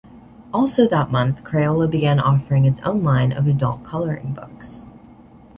Also that month Crayola began offering its own line of adult coloring books.